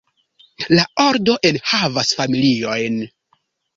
La ordo enhavas familiojn.